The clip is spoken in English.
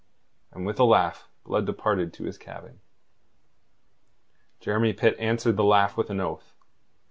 And with a laugh Blood departed to his cabin. Jeremy Pitt answered the laugh with an oath.